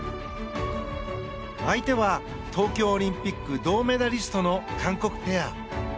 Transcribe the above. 相手は東京オリンピック銅メダリストの韓国ペア。